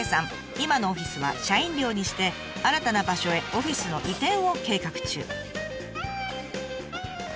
今のオフィスは社員寮にして新たな場所へオフィスの移転を計画中。